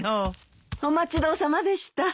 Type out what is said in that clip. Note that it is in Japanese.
お待ち遠さまでした。